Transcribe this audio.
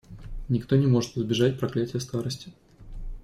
Никто не может избежать проклятия старости.